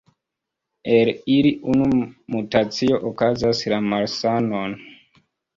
El ili unu mutacio okazas la malsanon.